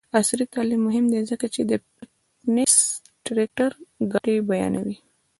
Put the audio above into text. عصري تعلیم مهم دی ځکه چې د فټنس ټریکر ګټې بیانوي.